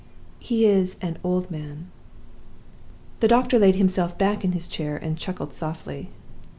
"'He is an old man.' "The doctor laid himself back in his chair, and chuckled softly.